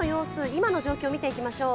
今の状況を見ていきましょう。